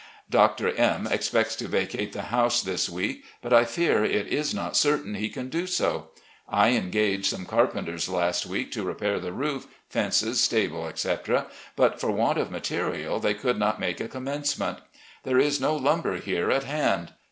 Dr. M. expects to vacate the house this week, but I fear it is not certain he can do so. ... I engaged some carpenters last week to repair the roof, fences, stable, etc., but for want of material they could not make a commencement. There is no lumber here at hand.